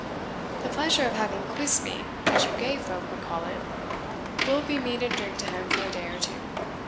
The pleasure of having quizzed me, as you gay folk would call it, will be meat and drink to him for a day or two.